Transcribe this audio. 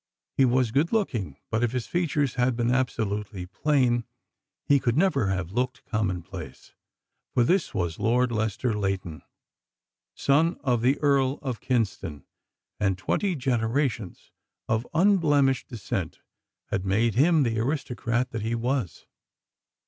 He was good looking, but if his features had been absolutely plain he could never have looked commonplace, for this was Lord Lester Leighton, son of the Earl of Kyneston, and twenty generations of unblemished descent had made him the aristocrat that he was.